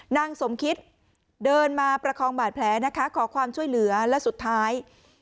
นางสมคิตเดินมาประคองบาดแผลนะคะขอความช่วยเหลือและสุดท้าย